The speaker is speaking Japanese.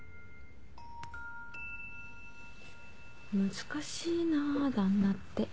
難しいな旦那って。